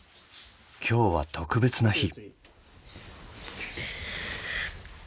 今日は特別な日。